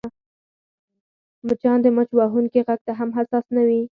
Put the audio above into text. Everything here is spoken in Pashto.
مچان د مچ وهونکي غږ ته هم حساس نه وي